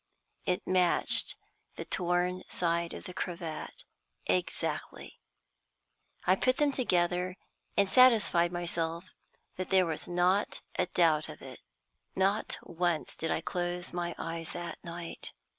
It matched the torn side of the cravat exactly. I put them together, and satisfied myself that there was not a doubt of it. Not once did I close my eyes that night.